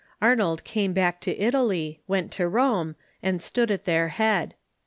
Arnold came back to Italy, went to Rome, and stood at their head.